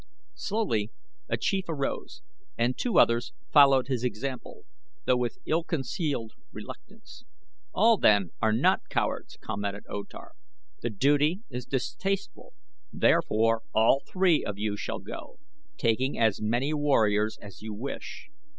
Slowly a chief arose and two others followed his example, though with ill concealed reluctance. "All, then, are not cowards," commented O Tar. "The duty is distasteful. Therefore all three of you shall go, taking as many warriors as you wish."